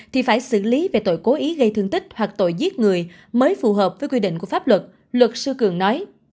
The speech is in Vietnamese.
thì phải xử lý về tội cố ý gây thương tích hoặc tội giết người mới phù hợp với quy định của pháp luật luật sư cường nói